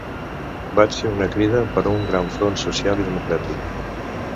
Vaig fer una crida per a un gran front social i democràtic.